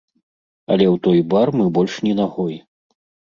Але ў той бар мы больш ні нагой.